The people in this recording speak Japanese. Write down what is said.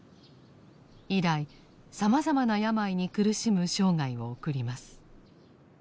以来さまざまな病に苦しむ生涯を送ります。